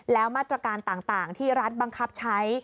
แล้วมาตรการต่างที่รัฐบังคับใช้